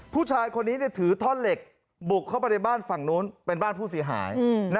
ผู้ชายคนนี้ถือท่อนเหล็กบุกเข้าไปในบ้านฝั่งนู้นเป็นบ้านผู้เสียหาย